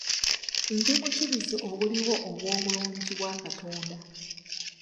Ndi bujulizi obuliwo obw'obulungi bwa Katonda.